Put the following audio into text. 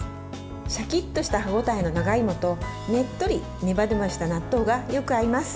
しゃきっとした歯応えの長芋とねっとりネバネバした納豆がよく合います。